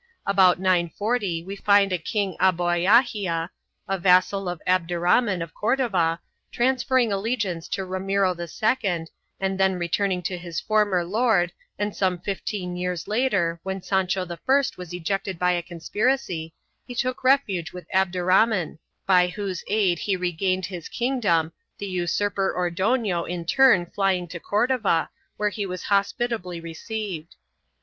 About 940 we find a King Aboiahia, a vassal of Abderrhaman of Cordova, transferring allegiance to Ramiro II and then returning to his former lord, and some fifteen years later, when Sancho I was ejected by a conspiracy, he took refuge with Abderrhaman, by whose aid he regained his kingdom, the usurper Ordono, in turn flying to Cordova, where he was hospitably received.